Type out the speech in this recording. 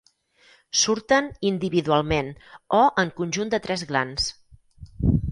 Surten individualment o en conjunt de tres glans.